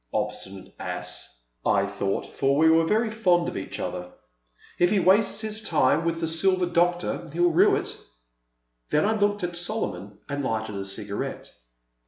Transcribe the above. *' Obstinate ass," I thought, for we were very 83 84 The Silent Land. fond of each other, "if he wastes his time with the Silver Doctor he '11 rue it." Then I looked at Solomon and lighted a cigarette.